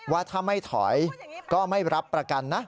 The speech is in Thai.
ว่าถ้าไม่ถอยก็ไม่รับประกันนะ